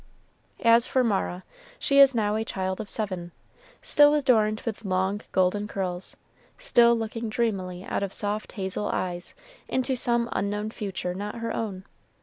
As for Mara, she is now a child of seven, still adorned with long golden curls, still looking dreamily out of soft hazel eyes into some unknown future not her own.